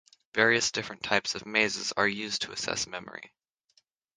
Various different types of mazes are used to assess memory.